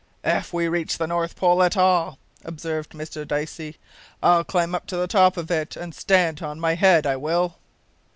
"If we reach the North Pole at all," observed Mr Dicey, "I'll climb up to the top of it and stand on my head, I will!"